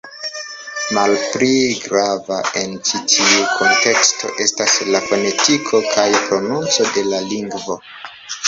Malpli grava en ĉi tiu kunteksto estas la fonetiko kaj prononco de la lingvo.